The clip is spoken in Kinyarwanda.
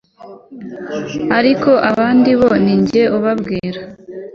ariko abandi bo ni jye ubabwira